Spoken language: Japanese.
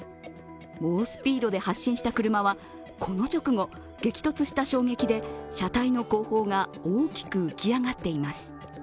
猛スピードで発進した車はこの直後激突した衝撃で車体の後方が大きく浮き上がっています。